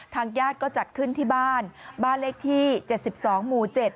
ทางญาติก็จัดขึ้นที่บ้านบ้านเลขที่๗๒หมู่๗